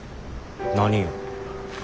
何よ？